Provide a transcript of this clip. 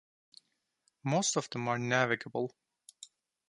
Most of them are navigable.